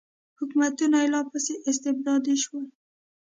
حکومتونه یې لا پسې استبدادي شول.